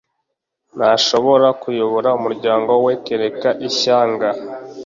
Ntashobora kuyobora umuryango we, kereka ishyanga!